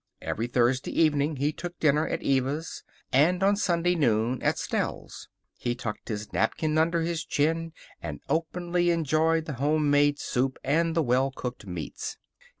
Every Thursday evening he took dinner at Eva's, and on Sunday noon at Stell's. He tucked his napkin under his chin and openly enjoyed the homemade soup and the well cooked meats.